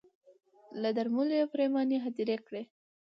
له درملو یې پرېماني هدیرې کړې